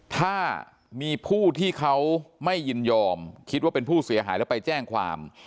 ถ้ามีผู้ที่เขาไม่ยินยอมคิดว่าเป็นผู้เสียหายแล้วไปแจ้งความ